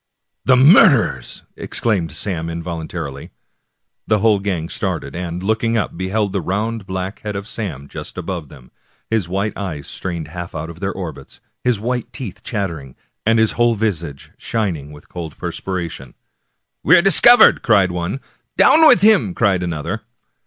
" The murderers !" exclaimed Sam involuntarily. The whole gang started, and looking up beheld the round black head of Sam just above them, his white eyes strained half out of their orbits, his white teeth chattering, and his whole visage shining with cold perspiration. 192 Washington Irving " We're discovered !" cried one. "Down with him!" cried another.